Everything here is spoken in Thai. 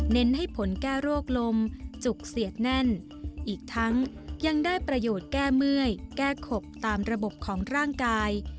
ให้ผลแก้โรคลมจุกเสียดแน่นอีกทั้งยังได้ประโยชน์แก้เมื่อยแก้ขบตามระบบของร่างกาย